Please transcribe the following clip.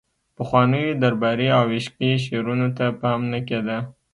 پخوانیو درباري او عشقي شعرونو ته پام نه کیده